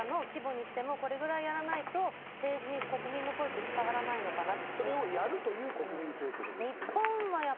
デモとかの規模にしてもこれぐらいやらないと、政治に国民の声って伝わらないのかなって。